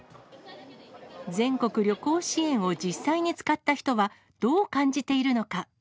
全国旅行支援を実際に使った人は、どう感じているのか。